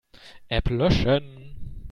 App löschen.